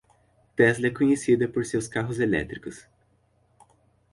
Tesla é conhecida por seus carros elétricos.